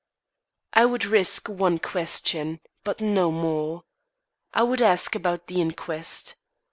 I would risk one question, but no more. I would ask about the inquest.